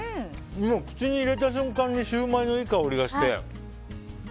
口に入れた瞬間にシューマイのいい香りがして。